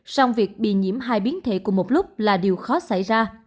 song việc bị nhiễm hai biến thể cùng một lúc là điều khó xảy ra